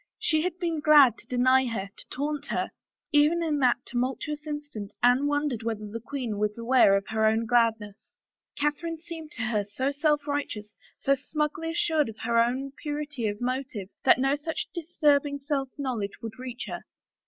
She had been glad to deny her, to taunt her. Even in that tumultuous instant Anne wondered whether the queen was aware of her own gladness. Catherine seemed to her so self righteous, so smugly assured of her own purity of motive, that no such disturbing self knowledge could reach her.